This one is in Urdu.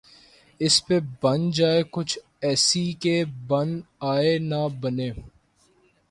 اس پہ بن جائے کچھ ایسی کہ بن آئے نہ بنے